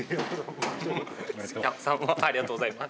ありがとうございます。